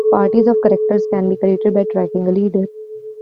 Parties of characters can be created by "tracking" a leader.